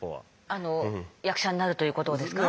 あの役者になるということをですか？